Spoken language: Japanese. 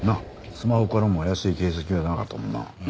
スマホからも怪しい形跡はなかったもんな。